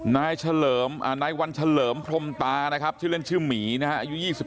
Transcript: นายวันเฉลิมพรมตานะครับชื่อเล่นชื่อหมีนะฮะอายุ๒๓